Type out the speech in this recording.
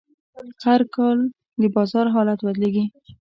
هر کال د بازار حالت بدلېږي.